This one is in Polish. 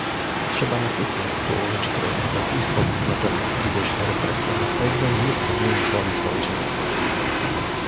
Trzeba natychmiast położyć kres zabójstwom obywateli, gdyż represje na pewno nie stłumią woli społeczeństwa